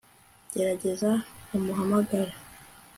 gerageza umu hamagare